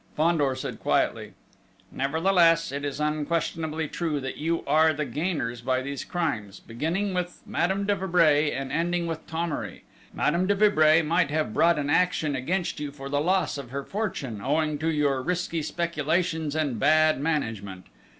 Fandor said quietly: "Nevertheless, it is unquestionably true that you are the gainers by these crimes: beginning with Madame de Vibray and ending with Thomery. Madame de Vibray might have brought an action against you for the loss of her fortune, owing to your risky speculations and bad management.